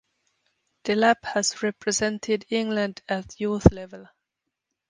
Delap has represented England at youth level.